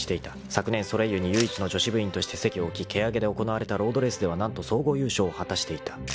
［昨年ソレイユに唯一の女子部員として席を置き蹴上で行なわれたロードレースでは何と総合優勝を果たしていた］